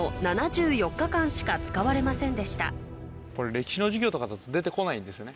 歴史の授業とかだと出てこないんですよね。